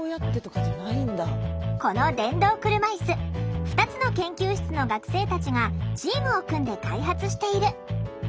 この電動車いす２つの研究室の学生たちがチームを組んで開発している。